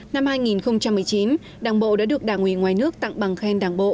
năm hai nghìn một mươi chín đảng bộ đã được đảng ủy ngoài nước tặng bằng khen đảng bộ